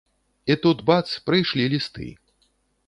І тут, бац, прыйшлі лісты.